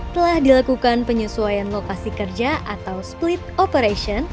telah dilakukan penyesuaian lokasi kerja atau split operation